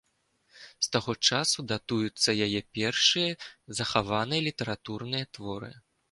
З таго часу датуюцца яе першыя захаваныя літаратурныя творы.